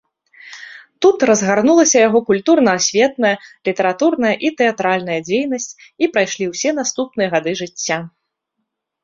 Тут разгарнулася яго культурна-асветная, літаратурная і тэатральная дзейнасць і прайшлі ўсе наступныя гады жыцця.